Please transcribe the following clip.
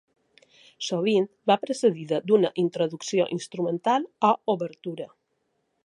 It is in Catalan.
Sovint va precedida d'una introducció instrumental o obertura.